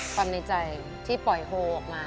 ความในใจที่ปล่อยโฮออกมา